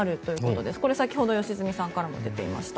これ、先ほど良純さんからも出ていました。